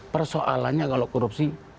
persoalannya kalau korupsi